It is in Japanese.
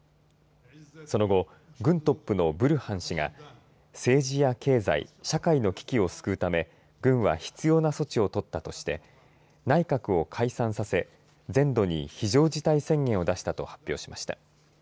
その後、軍トップのブルハン氏が政治や経済社会の危機を救うため、軍は必要な措置を取ったとして内閣を解散させ全土に非常事態宣言を出したと発表しました。